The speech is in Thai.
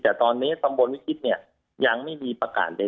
แต่ตอนนี้ตำบลวิชิตยังไม่มีประกาศใด